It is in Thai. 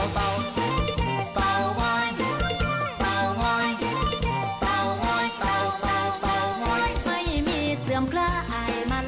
เสียงเต็มซ่วนครับ